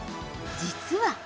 実は。